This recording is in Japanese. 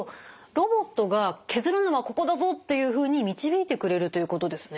ロボットが「削るのはここだぞ」というふうに導いてくれるということですね。